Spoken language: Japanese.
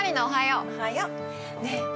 おはよう。